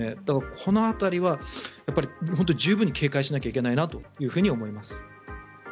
この辺りは本当に十分に警戒しないといけないなと思います。